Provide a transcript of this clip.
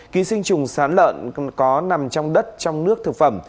ký sinh trùng sán lợn còn có nằm trong đất trong nước thực phẩm